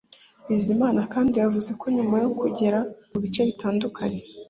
Bizimana kandi yavuze ko nyuma yo kugera mu bice bitandukanye